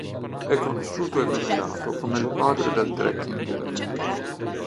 È conosciuto e venerato come "il padre del trekking in Nepal".